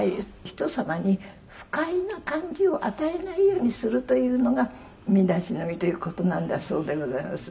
「人様に不快な感じを与えないようにするというのが身だしなみという事なんだそうでございますね」